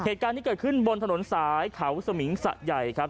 เหตุการณ์ที่เกิดขึ้นบนถนนสายเขาสมิงสะใหญ่ครับ